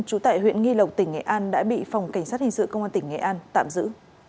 trú tại huyện nghi lộc tỉnh nghệ an đã bị phòng cảnh sát hình sự công an tỉnh nghệ an tạm giữ